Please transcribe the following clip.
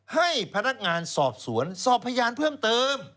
ให้พนักงานสอบสวนสอบพยานเพิ่มเติม